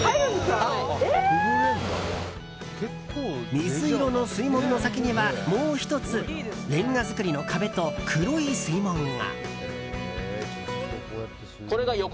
水色の水門の先には、もう１つレンガ造りの壁と黒い水門が。